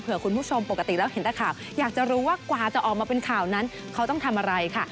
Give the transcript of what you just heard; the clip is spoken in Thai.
เพื่อคุณผู้ชมปกติแล้วเห็นแต่ข่าวอยากจะรู้ว่ากว่าจะออกมาเป็นข่าวนั้นเขาต้องทำอะไรค่ะ